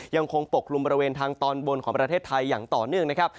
ยังคงปกลุ่มบริเวณทางตอนบนของประเทศไทยอย่างต่อเนื่องนะครับ